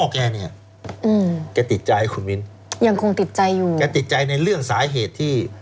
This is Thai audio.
แกติดใจคุณมินยังคงติดใจอยู่แกติดใจในเรื่องสาเหตุที่